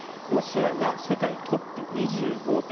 ロシアが世界トップ２５．３％